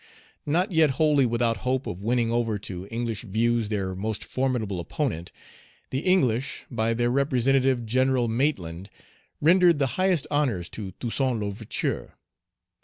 Not yet wholly without hope of winning over to English views their most formidable opponent, the English, by their representative, General Maitland, rendered the highest honors to Toussaint L'Ouverture.